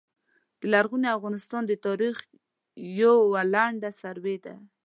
د لرغوني افغانستان د تاریخ یوع لنډه سروې ده